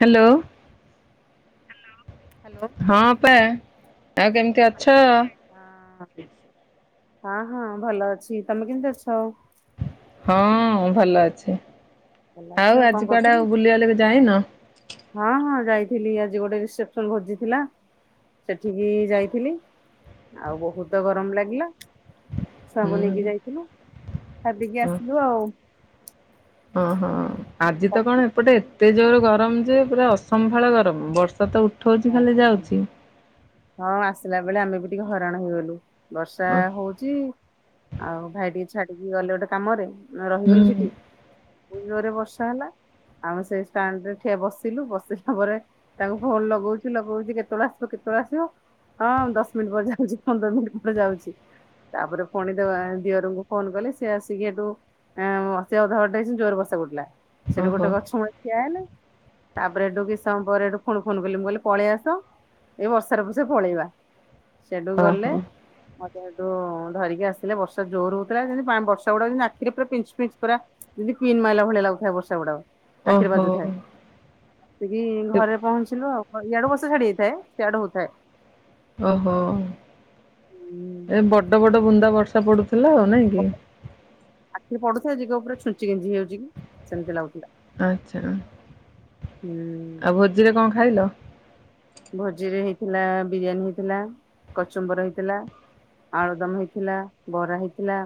Hello hello. ହଁ ଅପା ଆଉ କେମିତି ଅଛ? ହଁ ହଁ ହଁ ଭଲ ଅଛି ତମେ କେମିତି ଅଛ? ହଁ ଭଲ ଅଛି। ଭଲ ଅଛ ଆଉ କଣ ଆଜି କୁଆଡେ କରୁଥିଲ? ଆଉ ବୁଲିବା ଲାଗି ଯାଇନ? ଥିଲି ଆଜି ଗୋଟେ ରିସେପସନ ଭୋଜିଥିଲା। ସେଠିକି ଯାଇଥିଲି ଆଉ ବୋହୁତ ଗରମ ଲାଗିଲା। ହୁଁ ସବୁ ନେଇକି ଯାଇଥିଲୁ। [unintelligible] ଖାଦିକିଆସିଲୁ ଆଉ। ହଁ ହଁ ଆଜି ତ କଣ ଏପଟେ ଏତ ଏତେ ଜୋର ଗରମ ଯେ ପୁରା ଅସମ୍ଭାଳ ଗରମ। ବର୍ଷା ତ ଉଠେ ଉଠଉଛି ଖାଲି ଯାଉଛି। ହଁ ଆସିଲା ବେଳେ ଆମେ ଟିକେ ହଇରାଣ ହେଇଗଲୁ ବର୍ଷା ଅ ହଉଛି। ଆଉ ଭାଇ ଟିକେ ଛାଡିକି ଗଲେ ଗୋଟେ କାମରେ। ମୁଁ ରହିଗଲି ହୁଁ ସେଠି। ପୁଣି ଜୋରେ ବର୍ଷା ହେଲା। ଆମେ ସେଇ ଷ୍ଟାଣ୍ଡରେ ଠି ବସିଲୁ। ବସିଲା ପରେ ତାଙ୍କୁ ଫୋନ ଲଗଉଛୁ। ଲଗଉଛି କେତେବେଳେ ଆସିବ କେତେବେଳେ ଆସିବ? ହଁ ଦଶ ମିନିଟ୍ ପରେ ଯାଉଛି। ପନ୍ଦର ମିନିଟ୍ ପରେ ଯାଉଛି। ତାପରେ ପୁଣି ଦେବ ଦିଅରଙ୍କୁ ଫୋନ କଲି। ସେ ଆସିକି ଏଠୁ ଅଧା ବାଟେ ହେଇଛୁ ଜୋର ବର୍ଷା କୁଟିଲା ସେଠୁ ଓହୋ ଗୋଟେ ଗଛ ମୂଳେ ଠିଆ ହେଲୁ। ତାପରେ ଏଠୁ କିଛି ସମୟ ପରେ ଏଠୁ ପୁଣି ଫୋନ କଲି। ମୁଁ କହିଲି ପଳେଇ ଆସ ଏଇ ବର୍ଷାରେ ପଛେ ପଳେଇବା। ସେଉଠୁ ଗଲେ। ଓହୋ ମତେ ସେଠୁ ଧରିକି ଆସିଲେ। ବର୍ଷା ଜୋର ହଉଥିଲା। ଯେମିତି ବର୍ଷା ଗୁଡା ଆଖିରେ ପୁରା ପିଞ୍ଚ ପିଞ୍ଚ ପୁରା ଯେମିତି ପିନ୍ ମାଇଲା ଭଳି ଲାଗୁଥିଲା ବର୍ଷ ଗୁଡାକ। ଓହୋ। ଆସିକି ଏ ଘରେ ପହଞ୍ଚିଲୁ ଆଉ। ଇଆଡୁ ବର୍ଷ ଛାଡି ଯାଇଥାଏ, ସିଆଡେ ହଉଥାଏ। ଓହୋ। ଏ ବଡ ବଡ ବୁନ୍ଦା ବର୍ଷା ପଡୁଥିଲା ଆଉ ନାଇଁ କି? ଆଖିରେ ପଡୁଥାଏ ଯିଏ କହିବ ପୁରା ଛୁଞ୍ଚି ଗେଂଜି ହଉଛି କି? ସେମିତି ଲାଗୁଥିଲା। ଆଛା ହୁଁ। ଆଉ ଭୋଜିରେ କଣ ଖାଇଲ? ଭୋଜିରେ ହେଇଥିଲା ବିରିୟାନୀ ହେଇଥିଲା। କଚୁମ୍ବର ହେଇଥିଲା। ଆଳୁଦମ ହେଇଥିଲା। ବରା ହେଇଥିଲା।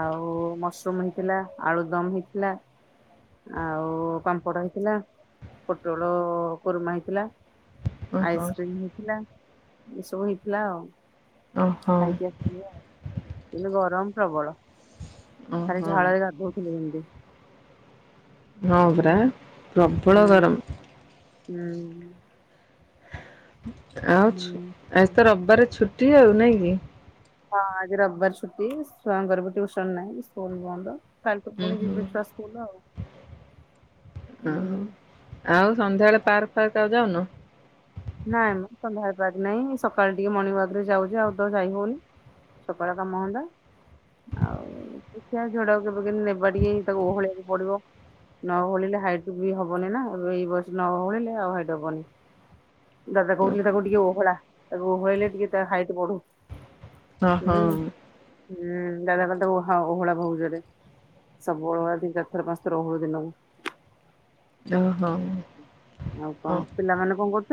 ଆଉ ମସରୁମ ହେଇଥିଲା। ଆଳୁ ଦମ ହେଇଥିଲା। ଆଉ ପାମ୍ପଡ ହେଇଥିଲା। ପୋଟଳ କୁରୁମା ହେଇଥିଲା। ଓହୋ ଆଇସ୍କ୍ରିମ ହେଇଥିଲା। ଏସବୁ ହେଇଥିଲା ଆଉ। ଓହୋ ଆଜ୍ଞା। କିନ୍ତୁ ଗରମ ପ୍ରବଳ। ଖାଲି ଓହୋ। ଝାଳରେ ଗାଧଉଥିଲୁ [unintelligible] ଯେମିତି। ହଁ ପରା ହୁଁ ହୁଁ ପ୍ରବଳ ଗରମ। ହୁଁ। ଆଉ ହୁଁ ଆଜି ତ ରବିବାର ଛୁଟି ଆଉ ନାଇଁ କି? ହଁ ଆଜି ରବିବାର ଛୁଟି [unintelligible] ସ୍ୱୟଂ ଙ୍କର ବି ଟିଉସନ ନାହିଁ ସ୍କୁଲ ବନ୍ଦ। କାଲି ଠୁ ହୁଁ ପୁଣି ହୁଁ। ଯିବେ ଛୁଆ ସ୍କୁଲ ଆଉ? ହୁଁ ଓହୋ। ଆଉ ସନ୍ଧ୍ୟାବେଳେ ପାର୍କ ଫାର୍କ ଆଉ ଯାଉନ? ନାଇଁ ମ ସନ୍ଧ୍ୟା ରେ ପାର୍କ ନାଇଁ। ସକାଳ ଟିକେ ମର୍ଣିଙ୍ଗ ୱାକ ରେ ଯାଉଛି, ଆଉ ତ ଯାଇ ହଉନି। ସକାଳ କାମ ଧନ୍ଦା। ଆଉ ଦେଖିଆ ଝିଅଟା କୁ କେବେ କେମିତି ନେବା ଟିକେ ତାକୁ ଓହଳେଇବାକୁ ପଡିବ। ନ ହୋଳିଲେ ହାଇଟ ବି ହବନି ନା ଏଇ ବର୍ଷ ନ ଓହଳିଲେ ଆଉ ହାଇଟ ହବନି। ଦାଦା କହୁଥିଲେ ତାକୁ ଟିକେ ଓହଳା ତାକୁ ଓହଳେଇଲେ ଟିକେ ତା ହାଇଟ୍ ବଢୁ। ହଁ ହଁ। ହୁଁ ହୁଁ ଦାଦା କହିଲେ ତାକୁ ଓହଳା ବହୁତଜୋରେ। ସବୁବେଳେ ଦିନକୁ ଚାରି ଥର ପାଞ୍ଚ ଥର ଓହଳା ଦିନକୁ। ଓହୋ ଆଉ କଣ ପିଲାମାନେ କଣ କରୁଛନ୍ତି?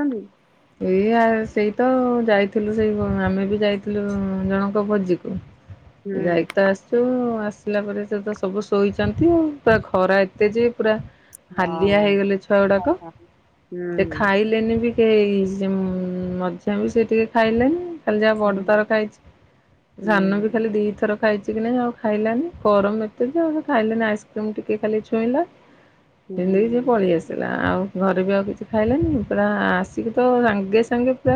ଏଇ ସେଇ ତ ଯାଇଥିଲୁ ସେଇ ଆମେ ବି ଯାଇଥିଲୁ ଜଣଙ୍କ ଭୋଜିକୁ। ହୁଁ ରାଇତ ଆସିଥିବା ଆସ ଆସିଲା ପରେ ସେ ସବୁ ଶୋଇଛନ୍ତି ଆଉ ପୁରା ଖରା ଏତେ ଯେ ପୁରା ହାଲିଆ ହଁ ହେଇଗଲେ ଛୁଆ ଗୁଡାକ ହୁଁ ସେ ଖାଇଲେନି ବି କେହି । ସେ ମଝିଆ ବି ସେ ଟିକେ ଖାଇଲେନି। ଖାଲି ଯାହା ବଡ ହୁଁ। ତାର ଖାଇଛି ସାନ ବି ହୁଁ ଖାଲି ଦିଥର ଖାଇଛି କି ନାଇଁ ଆଉ ଖାଇଲାନି ଗରମ ଏତେ ଯେ ଆଉ ଖାଇଲାନି ଆଇସ୍କ୍ରିମ ଟିକେ ଖାଲି ଛୁଇଁଲା । ହୁଁ ହେଲେବି ସେ ପଳି ଆସିଲା ଆଉ ଘରେ ବି ଆଉ କିଛି ଖାଇଲାନି ପୁରା ଆସିକି ତ ସାଙ୍ଗେ ସାଙ୍ଗେ ପୁରା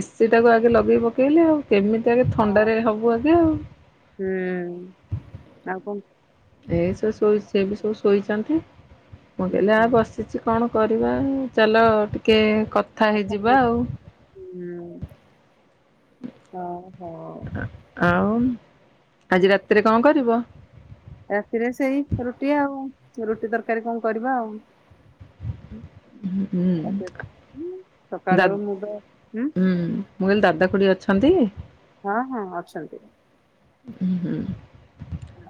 ଏସିି ଟାକୁ ଆଗେ ଲଗେଇ ପକେଇଲି ଆଉ । କେମିତି ଆଗେ ହଁ ଥଣ୍ଡା ରେ ହବୁ ଆଗେ ଆଉ। ହୁଁ ଆଉ କଣ ଏଇସବୁ ଶୋଇ ସେ ବି ସବୁ ଶୋଇଛନ୍ତି ମୁଁ ଉଁ କହିଲି ହୁଁ ଆଉ ବସିଛି କଣ କରିବା ଚାଲ ଟିକେ କଥା ହେଇଯିବା ଆଉ ହଁ ହଉ ହଉ। ଆଉ ଆଜି ରାତିରେ କଣ କରିବ? ରାତିରେ ସେଇ ରୁଟି ଆଉ ରୁଟି ତରକାରୀ କଣ କରିବା ଆଉ। ହୁଁ। ସକାଳେ ଦା ମୁଁ ତ ହୁଁ ମୁଁ କହିଲି ଦାଦା କୁଡି ଅଛନ୍ତି? ହଁ ହଁ ଅଛନ୍ତି। ହୁଁ।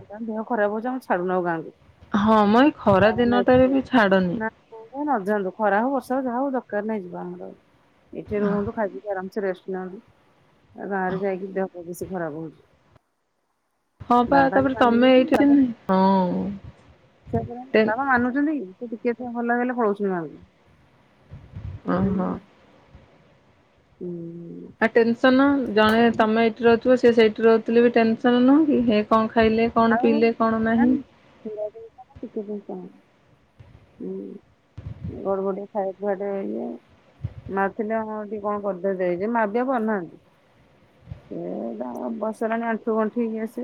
ତାଙ୍କ ଦେହ ଖରା ହଉଛ ଆମେ ଛାଡୁନାହୁଁ ଗାଁକୁ। ହଁ ମ ଏଇ ଖରା ଦିନଟାରେ ବି ଛାଡନି। ଛାଡୁନାନ୍ତୁ ପୁଅକୁ ଖରା ହଉ ବର୍ଷା ହଉ ଯାହା ହଉ ଦରକାର ନାହିଁ ଜିବା ଆମର ଏଠି ରୁହନ୍ତୁ ଖାଇପିଇ ଆରମସେ ରେଷ୍ଟ ନିଅନ୍ତୁ ଗାଁରେ ଯାଇକି ଦେହ ଫେଅ ବେଶୀ ଖରାପ ହଉଛି। ହଁ ପା ବାବା ତାପରେ ମାନିବେ ତମେ ଏଇଠି ହଁ ସେ ଟେନ୍ ବାବା ମାନୁଛନ୍ତି ସେ ଟିକେ ଭଲ ହେଲେ ପଳଉଛନ୍ତି ଗାଁକୁ। ଓହୋ। ହୁଁ। ଆଟେନସନ ଜଣେ ତମେ ଏଇଠି ରହୁଥିବ ସେ ସେଇଠି ରହୁଥିଲେ ବି ଟେନସନ ନୁହଁ କି ହେ କଣ । ଆଉ କିଛି ଜିନିଷ? ହୁଁ ଗରମଟେ ଖାଇବା ପିବା ଟିକେ ଇଏ ମା ଥିଲା ହଁ ଟିକେ କଣ କରିଦେ ଦେଇଦେ ମା ବି ଆଉ ପାରୁନାହାନ୍ତି । ଏଟା ବୟସ ହେଲାଣି ଆଣ୍ଠୁ ଗଣ୍ଠି ଇଏ ସେ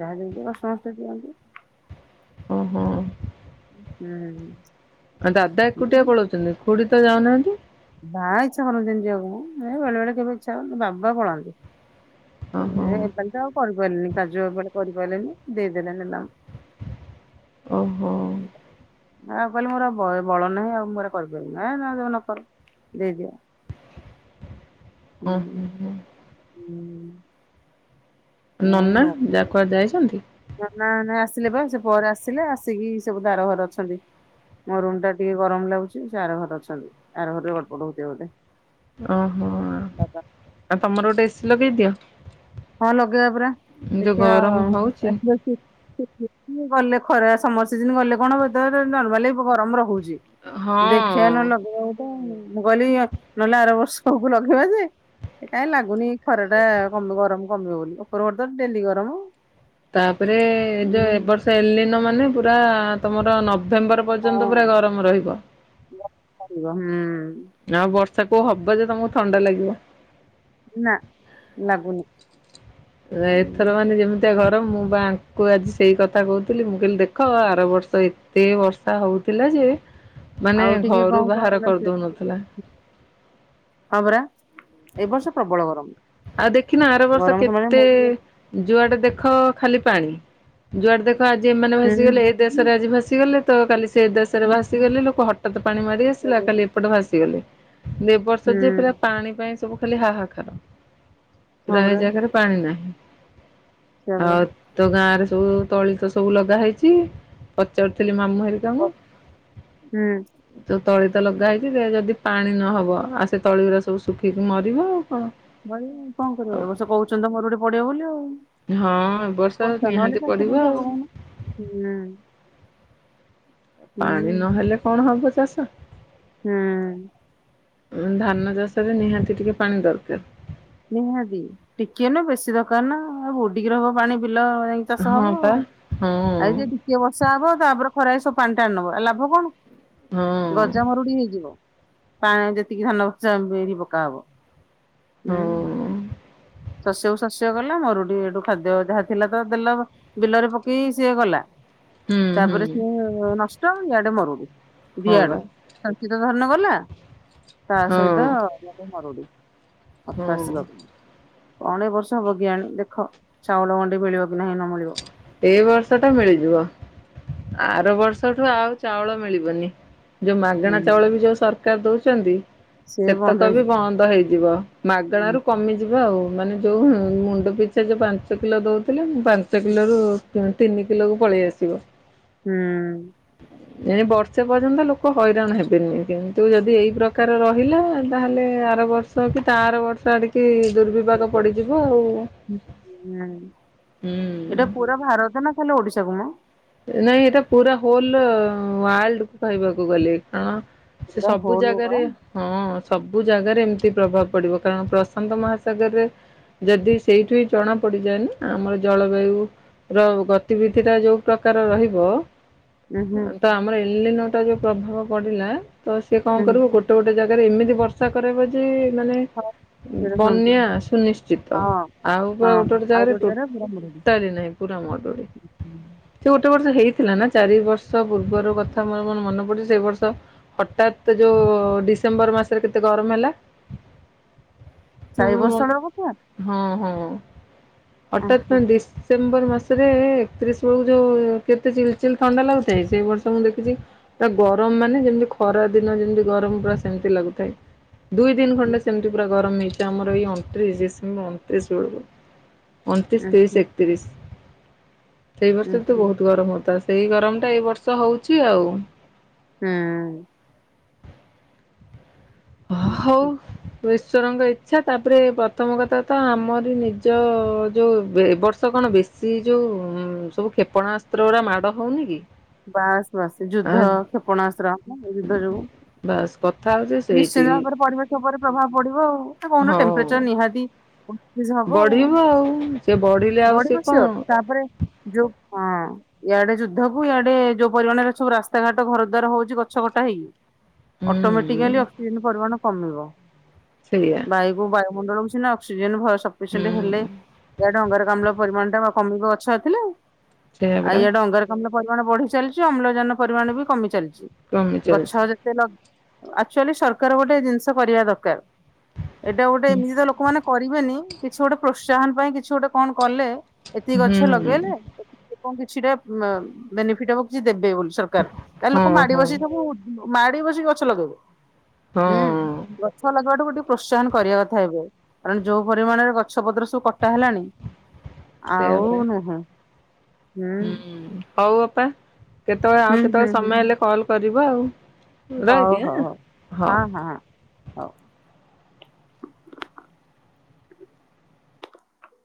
ଯାହା ଯେମିତି କଷ୍ଟେ ମଷ୍ଟେ ଦିଅନ୍ତି । ଓହୋ। ହୁଁ। ଆଉ ଦାଦା ଏକୁଟିଆ ପଳାଉଛନ୍ତି ଖୁଡି ତ ଯାଉନାହାନ୍ତି । ବା ଇଚ୍ଛା କରନ୍ତିନି ଯିବାକୁମ ଏ ବେଳେ ବେଳେ କେବେ ଇଚ୍ଛା ହବ ବାବା ପଳାନ୍ତି। ଓହୋ ଏପାଳି ତ ଆଉ କରିପାରିଲେନି କାଜୁ ଏପର କରିପାରିଲେନି ଦେଇଦେଲେ। ଓହୋ। [unintelligible] ଆଉ କହିଲେ ମୋର ଆଉ ବଳ ନାହିଁ ଆଉ ମୁଁ ଏଗୁରା କରିପାରିବିନି ଏଁ ଯଉ ନକର ଦେଇଦିଅ। ଉଁ ହୁଁ ହୁଁ। ହୁଁ [unintelligible] ନନା ଯା କୁୁଆଡେ ଯାଇଚନ୍ତି? ନନା ନାଇଁ ଆସିଲେ ପା, ସେ ପରେ ଆସିଲେ, ଆସିକି ସେ ବୋଧେ ଆର ଘରେ ଅଛନ୍ତି। ମୋ ରୁମଟା ଟିକେ ଗରମ ଲାଗୁଛି, ସେ ଆର ଘରେ ଅଛନ୍ତି ଆର ଘରେ ଗଡପଡ ହଉଥିବେ ବୋଧେ। ଓହୋ। ଆଉ ବାବା ଆଉ ତମର ଗୋଟେ ଏସି ଲଗେଇଦିଅ। ହଁ ଲଗେଇବା ପରା। ଦେଖିବା ଗରମ ହଉଛି। [unintelligible] ମୁଁ ଗଲେ ଖରା ସମର ସିଜନ ଗଲେ କଣ ହବ ଏଇ ତ ଅ ନର୍ମାଲି ଗରମ ରହୁ ଚି। ଦେଖିଆ ନହେଲେ ହଁ ଲଗେଇବା ଗୋଟେ ଆଉ। ମୁଁ କହିଲି ନହେଲେ ଆର ବର୍ଷକୁ ଲଗେଇବା ଯେ କାଇଁ ଲାଗୁନି ଖରାଟା କମି ଗରମ କମିବ ବୋଲି, ଉପରବୁଳି ତ ଡେଲି ଗରମ। ତାପରେ ଏ ହୁଁ ଯୋଉ ଏ ବର୍ଷ ଏଲିନୋ ମାନେ ପୁରା ତମର ନ ନଭେମ୍ବର ହଁ ପର୍ଯ୍ୟନ୍ତ ପୁରା ଗରମ ରହିବ। ହୁଁ ଆ ବର୍ଷା କୋଉ ହବ ଯେ ତମକୁ ଥଣ୍ଡା ଲାଗିବ। ନା ଲାଗୁନି ଏଥର ମାନେ ଯେମିତିଆ ଘ ର, ମୁଁ ବା ଆଙ୍କୁ ଆଜି ସେଇ କଥା କହୁଥିଲି ମୁଁ କହିଲି ଦେଖ, ଆର ବର୍ଷ ଏତେ ବର୍ଷା ହଉଥିଲା ଯେ, ମାନେ ଆଉ ଟିକେ କଣ ଘରୁ ବାହାର କହିଲ ସେ କରିଦଉନ ହଁ ପରା ଏ ବର୍ଷ ପ୍ରବଳ ବ ଆଉ ଦେଖିିନ ଆର ବର୍ଷ କେତେ ମୁଁ ଟିକେ ଯୁଆଡେ ଦେଖ ଦେଖ ଖାଲି ପାଣି। ଯୁଆଡେ ଦେଖ ଆଜି ଏମାନେ ଭାସିଗଲେ ଏ ଦେଶରେ ଆଜି ଭାସିଗଲେ ତ କାଲି ସେ ଦେଶରେ ହୁଁ ଭାସିଗଲେ ଲୋକ, ହଠାତ ପାଣି ମାଡି ଆସିଲା, କାଲି ଏପଟେ ଭାସିଗଲେ ଦେ ବର୍ଷ ହୁଁ ଯେ ପୁରା ପାଣି ପାଇଁ ସବୁ ଖାଲି ହାହାକାର। ହଁ ପ୍ରାୟ ପରା ଜାଗାରେ ପାଣି ନାହିଁ। ସେଇଆ ଆଉ ପରା ତ ଗାଁରେ ସବୁ ତଳି ତ ସବୁ ଲଗା ହେଇଛି, ପଚାରୁଥିଲି ମାମୁଁ ହୁଁ ହେରିକାଙ୍କୁ ତଳି ତ ଲଗା ହେଇଛି, ଯେ ଯଦି ପାଣି ନହବ ଆଉ ସେ ତଳି ଗୁରା ସବୁ ଶୁଖିକି ମରିବ ଆଉ କଣ। ମରିବ ଆଉ କଣ କରିବ? ଏ ବର୍ଷ କହୁଛନ୍ତି ମରୁଡି ପଡିବ ବୋଲି ଆଉ। ହଁ ଏ ବର୍ଷ ବର୍ଷା ନିହାତି ନହେଲେ ଚାଷ ପଡିବ କେମିତି ଆଉ। ହବ କହୁନ? ହୁଁ। ହୁଁ ପାଣି ନହେଲେ କଣ ହବ ଚାଷ। ହୁଁ। ଧାନ ଚାଷରେ ନିହାତି ଟିକେ ପାଣି ଦରକାର। ନିହାତି। ଟିକିଏ ନୁହଁ ବେଶୀ ଦରକାର ନା, ଆଉ ବୁଡିକି ରହିବ ପାଣି ବି ଭଲ ଯାଇଁକି ଚାଷ ହଁ ହବ, ପା ହଁ ଆଉ ଏ ଯେ ଟିକିଏ ବର୍ଷା ହବ ତାପରେ ଖରାରେ ସବୁ ପାଣି ଟାଣି ନବ ଲାଭ କଣ? ହଁ ଗଜା ମରୁଡି ହେଇଯିବ। ପାଣି ଯେତିକି ଧାନ ପଛ [unintelligible] ପକା ହବ। ହଁ। ହୁଁ ଶସ୍ୟକୁ ଶସ୍ୟ ଗଲା, ମରୁଡି ହେଇଠୁ ଖାଦ୍ୟ ଯାହା ଥିଲା ତ ଦେଲ ବିଲରେ ପକେଇ ସିଏ ଗଲା ହୁଁ ତାପରେ ହୁଁ ସିଏ ନଷ୍ଟ, ଇଆଡେ ମରୁଡି। ଦି ହଁ ବା ଆଡୁ [unintelligible] ଧାନ ଗଲା, ତା ହଁ ସହିତ ମାନେ ମରୁଡି। [unintelligible] ହଁ। କଣ ଏ ବର୍ଷ ହବ କେଜାଣି ଦେଖ, ଚାଉଳ ମଣ୍ଡି ମିଳିବ କି ନାହିଁ ନ ମିଳିବ। ଏ ବର୍ଷଟା ମିଳିଯିବ, ଆର ବର୍ଷଠୁ ଆଉ ଚାଉଳ ମିଳିବନି। ଯୋଉ ମାଗଣା ହୁଁ ଚାଉଳ ବି ଯୋଉ ସରକାର ଦଉଚନ୍ତି ସେ ବନ୍ଦ ସେତକ ବି ହେଇଯିବ। ବନ୍ଦ ହେଇଯିବ। ହୁଁ ମାଗଣାରୁ କମିଯିବ ବ ଆଉ ମାନେ ଯୋଉ ମୁଁ-ମୁଣ୍ଡ ପିଛା ଯୋଉ ପାଞ୍ଚ କିଲୋ ଦଉଥିଲେ ମୁ ପାଞ୍ଚ କିଲୋର ତିନି କିଲୋକୁ ପଳେଇ ଆସିବ। ହୁଁ ଏ ବର୍ଷେ ପର୍ଯ୍ୟନ୍ତ ଲୋକ ହଇରାଣ ହେବେନି କିନ୍ତୁ ଯଦି ଏଇ ପ୍ରକାର ରହିଲା ତାହେଲେ ତାର ବର୍ଷ କି ତା ଆର ବର୍ଷ ଆଡିକି ଦୁର୍ବିପାକ ପଡିଯିବ ଆଉ। ହୁଁ ହୁଁ ଏଇଟା ପୁରା ଭାରତ ନା ଖାଲି ଓଡିଶା କୁ ମ? ନାଇଁ ଏଇଟା ପୁରା ହୋଲ ୱାର୍ଡକୁ କହିବାକୁ ଗଲେ, କାରଣ ସେ ପୁରା ସବୁ ହୋଲ ବା ଜାଗାରେ ହଁ। ସବୁ ଜାଗାରେ ଏମତି ପ୍ରଭାବ ପଡିବ। କାରଣ ପ୍ରଶାନ୍ତ ମହାସାଗରରେ ଯଦି ସେଇଠୁ ହିଁ ଜଣା ପଡିଯାଏନି ଆମର ଜଳବାୟୁ ର ଗତିବିଧି ଟା ଯୋଉ ପ୍ରକାର ରହିବ ଉଁ ହୁଁ ତ ଆମର ଏଲିନଟା ଯୋଉ ପ୍ରଭାବ ପଡିଲା ତ ସିଏ କଣ ହୁଁ କରିବୁ ଗୋଟେ ଗୋଟେ ଜାଗାରେ ଏମିତି ବର୍ଷା କରେଇବ ଯେ ମାନେ ହଁ। ସେଇଟା ବନ୍ୟା ଶୁଣିଥିଲି ସୁନିଶ୍ଚିତ। ହଁ ଆଉ ପୁରା ହଁ ଗୋଟେ ଗୋଟେ ଆଉ ଜାଗାରେ ପୁରା ମରୁଡି। ଟୋଟାଲି ନାହିଁ। [unintelligible] ସେ ଗୋ ଗୋଟେ ବର୍ଷ ହେଇଥିଲା ନା ଚାରି ବର୍ଷ ପୂର୍ବର କଥା ମୋର ମନେ ପଡୁଛି ସେ ବର୍ଷ ହଠାତ୍ ଯୋଉ ଡିସେମ୍ବର ମାସରେ କେତେ ଗରମ ହେଲା। [inaudible] ମୁଁ ଚାରି ବର୍ଷ ର କଥା। ଉଁ ହଠତ୍ ନ ହୁଁ ଡିସେମ୍ବର ମାସରେ ଏକତିରିଶ ବେଳକୁ ଯୋଉ କେତେ ଚିଲ ଚିଲ ଥଣ୍ଡା ଲାଗୁଥାଏ। ସେଇ ବର୍ଷ ମୁଁ ଦେଖିଛି ତା ଗରମ ମାନେ ଯେମତି ଖରା ଦିନ [unintelligible] ଯେମିତି ଗରମ ପୁରା ସେମିତି ଲାଗୁଥାଏ। ଦୁଇ ଦିନ ଉଁ ଖଣ୍ଡେ ସେମିତି ପୁରା ଗରମ ହେଇଛି ଆମର ଏଇ ଅଣତିରିଶ ଡିସେମ୍ବର୍ ଅଣତିରିଶ ବେଳକୁ। ଅଣତିରିଶ, ଉଁ ହୁଁ ତିରିଶ, ଏକତିରିଶ। ଉଁ ସେ ହୁଁ। ବହୁତ ଗରମ ହତା ସେଇ ଗରମ ଟା ଏଇ ବର୍ଷ ହଉଛି ଆଉ। ହୁଁ। ହୁଁ ହୁଁ। ଈଶ୍ୱର ଙ୍କ ଇଚ୍ଛା ତାପରେ ପ୍ରଥମ କଥା ତ ଆମରି ନିଜ ଯୋଉ ଏ ବର୍ଷ କଣ କଣ ବେଶୀ ଯୋଉ ସବୁ କ୍ଷେପଣାସ୍ତ୍ର ଗୁଡା ମାଡ ହଉନି କି ବାସ ବାସ ଯୁଦ୍ଧ ଆ କ୍ଷେପଣାସ୍ତ୍ର ଯୁଦ୍ଧ ଯୋଗୁ। ବାସ୍ କଥା ହଉଛି ନିସ୍ ସେଇଠି ପରିବେଶ ଉପରେ ପ୍ରଭାବ ପଡିବ ଆଉ। କହୁନ ହଉ ଟେମ୍ପରେଚର ନିହାତି [unintelligible] ହବ ଆଉ। ବଢିବ ସେ ବଢିଲେ ଆଉ ବଢ଼ିବ ସେ କଣ ସିୟୋର୍ ତାପରେ ଯୋଉ ହଁ ଇଆଡେ ଯୁଦ୍ଧକୁ ଇଆଡେ ଯୋଉ ପରିମାଣରେ ସବୁ ରାସ୍ତାଘାଟ ଘର ଦ୍ଵାର ହଉଛି ଗଛ। [unintelligible] ହୁଁ ଅଟୋମେଟିକାଲି ଅକ୍ସିଜେନ ପରିମାଣ କମିବ। ସେଇଆ ବାୟୁ କୁ ବାୟ ମଣ୍ଡଳ କୁ ସିନା ଅକ୍ସିଜେନ ସଫିସେଣ୍ଟ ହେଲେ ହୁଁ ଇଆଡେ ଅଙ୍ଗାର ବାୟୁମଣ୍ଡଳ ପରିମାଣ ଟା କମିବ ଗଛ ଥିଲେ। ସେଇଆ ଆଉ ପରା ଇଆଡେ ଅଙ୍ଗାରକାମ୍ଳ ପରିମାଣ ବଢି ଚାଲିଛି ଅମ୍ଳଜାନ ପରିମାଣ ବି କମି ଚାଲିଛି। କମି ଗଛ ଚାଲିଛି ଯେତେ ଲ ଆକ୍ଚୁଆଲି ସରକାର ଗୋଟେ ଜିନିଷ କରିବା ଦରକାର। ଏଇଟା ଗୋଟେ ହୁଁ ଏମିତି ତ ଲୋକମାନେ କରିବେନି। କିଛି ଗୋଟେ ପ୍ରୋତ୍ସାହନ ପାଇଁ କିଛି ଗୋଟେ କଣ କଲେ ଏତିକି ଗଛ ହୁଁ ଲଗେଇଲେ କଣ କିଛିଟା ବେନିଫିଟ ହବ କିଛି ଦେବେ ବୋଲି ସରକାର। ଆ ହଁ ଲୋକ ମାଡି ହଁ ବସି ସବୁ ମାଡି ବସି ଗଛ ଲଗେଇବ। ହୁଁ ହଁ ଗଛ ଲଗେଇବାଟୁ ଗୋଟେ ପ୍ରୋତ୍ସାହନ କରିବା କଥା ଏବେ। କାରଣ ଯୋଉ ପରିମାଣରେ ଗଛ ପତ୍ର ସବୁ କଟା ହେଲାଣି ସେଇଆ ଆଉ ପରା ନାହା। ହୁଁ ହଉ ଅପା କେତେବେଳେ ଆଉ ହୁଁ ହୁଁ କେତେବେଳେ ହୁଁ ସମୟ ହେଲେ କଲ କରିବ ଆଉ। ହଉ ରହୁଚି ଆଁ ହଉ ହଁ ହଁ ହଁ ହଉ। ହଉ।